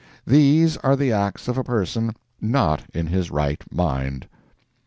These are the acts of a person not in his right mind.